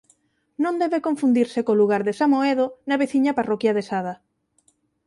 Non debe confundirse co lugar de Samoedo na veciña parroquia de Sada.